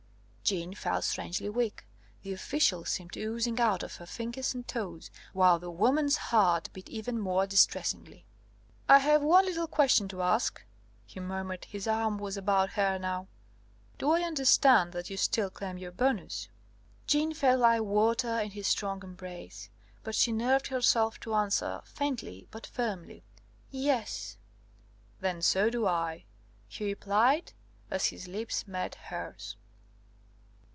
Jeanne felt strangely weak. The official seemed oozing out at her fingers and toes, while the woman's heart beat even more distressingly. "I have one little question to ask," he murmured (his arm was about her now). "Do I understand that you still claim your bonus?" Jeanne felt like water in his strong embrace; but she nerved herself to answer, faintly but firmly, "Yes!" "Then so do I," he replied, as his lips met hers.